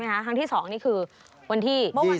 ครั้งที่๒นี่คือวันที่